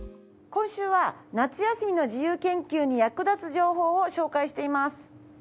今週は夏休みの自由研究に役立つ情報を紹介しています。